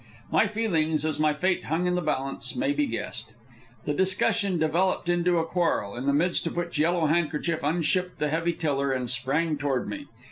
My feelings, as my fate hung in the balance, may be guessed. The discussion developed into a quarrel, in the midst of which Yellow Handkerchief unshipped the heavy tiller and sprang toward me.